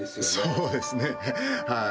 そうですねはい。